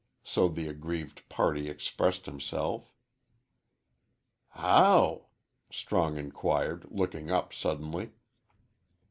So the aggrieved party expressed himself. "How?" Strong inquired, looking up suddenly.